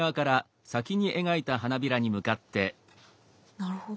なるほど。